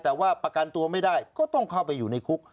แต่ว่าประกันตัวไม่ได้ก็ต้องเข้าไปอยู่ในคุก